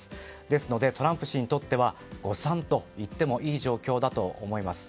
ですので、トランプ氏にとっては誤算といってもいい状況だと思います。